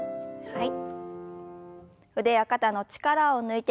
はい。